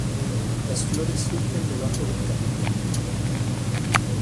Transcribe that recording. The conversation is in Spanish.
Las flores surgen de debajo del capitel.